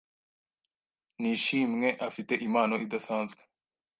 Nishimwe afite impano idasanzwe